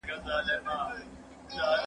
هغه د دين دفاع وکړه.